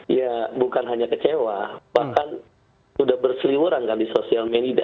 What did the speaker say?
ya bukan hanya kecewa bahkan sudah berseliwuran kan di sosial media